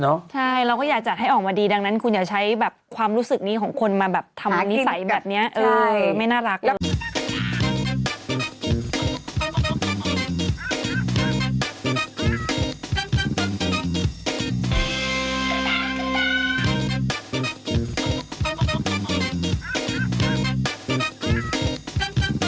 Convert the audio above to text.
ใช่เราก็อยากจัดให้ออกมาดีดังนั้นคุณอย่าใช้แบบความรู้สึกนี้ของคนมาแบบทำนิสัยแบบนี้ใช่ไม่น่ารัก